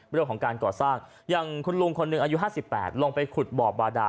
เรื่องของการก่อสร้างอย่างคุณลุงคนหนึ่งอายุ๕๘ลงไปขุดบ่อบาดา